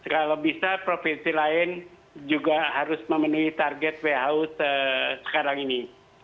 kalau bisa provinsi lain juga harus memenuhi target who sekarang ini